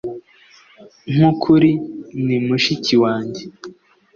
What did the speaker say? Nkukuri, ni mushiki wanjye.